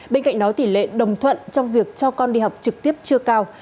bên cạnh đó tỷ lệ đồng thuận trong việc cho con đi học trực tiếp chưa cao